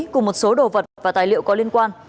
cùng một số đồ vật và tài liệu có liên quan